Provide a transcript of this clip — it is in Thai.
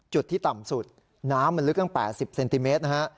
จุดที่ต่ำสุดน้ำมันลึกตั้ง๘๐เซนติเมตรนะฮะ